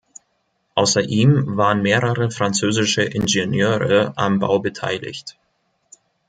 Außer ihm waren mehrere französische Ingenieure am Bau beteiligt.